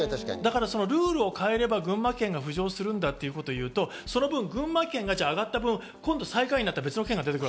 ルールを変えれば群馬県が浮上するんだということを言うと、その分、群馬県が上がった分、今度は最下位になった別の県が出てくる。